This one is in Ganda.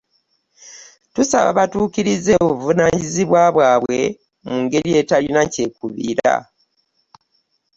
Tusaba batuukirize oguvunaanyizbwa bwabwe mu ngeri etalina kyekubiira.